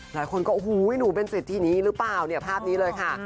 หลายคนก็โอ้โหหนูเป็นสิทธินี้หรือเปล่าเนี่ยภาพนี้เลยค่ะ